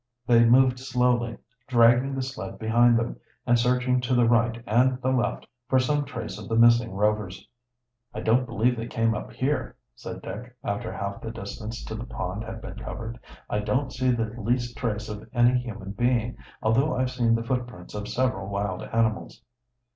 They moved slowly, dragging the sled behind them, and searching to the right and the left for some trace of the missing Rovers. "I don't believe they came up here," said Dick after half the distance to the pond had been covered, "I don't see the least trace of any human being, although I've seen the footprints of several wild animals."